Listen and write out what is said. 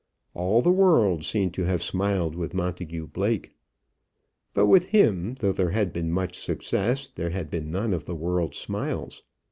All the world seemed to have smiled with Montagu Blake. But with him, though there had been much success, there had been none of the world's smiles.